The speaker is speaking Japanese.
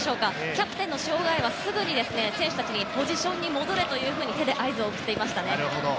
キャプテンの塩貝はすぐに選手達にポジションに戻れというふうに手で合図を送っていました。